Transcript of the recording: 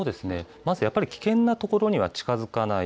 まずやっぱり危険な所には近づかない。